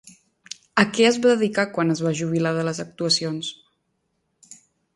A què es va dedicar quan es va jubilar de les actuacions?